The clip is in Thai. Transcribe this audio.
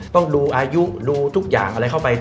ต้องดูอายุดูทุกอย่างอะไรเข้าไป